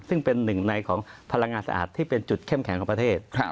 ซึ่งเป็นหนึ่งในของพลังงานสะอาดที่เป็นจุดเข้มแข็งของประเทศ